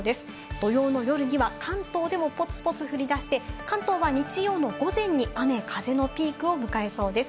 土曜の夜には関東でもポツポツ降り出して、関東は日曜の午前に雨・風のピークを迎えそうです。